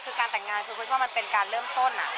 คือการแต่งงานคือคริสว่ามันเป็นการเริ่มต้น